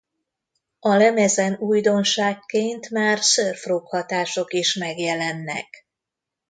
A lemezen újdonságként már surf rock hatások is megjelennek.